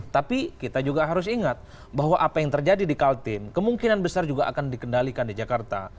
tapi kita juga harus ingat bahwa apa yang terjadi di kaltim kemungkinan besar juga akan dikendalikan di jakarta